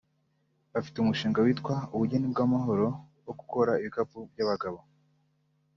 bafite umushinga witwa Ubugeni bw’amahoro wo gukora ibikapu by’abagabo